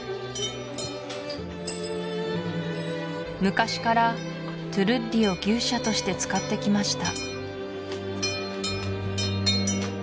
昔からトゥルッリを牛舎として使ってきました